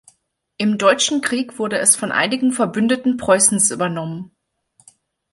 Im Deutschen Krieg wurde es von einigen Verbündeten Preußens übernommen.